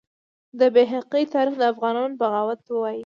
د بیهقي تاریخ د افغانانو بغاوت وایي.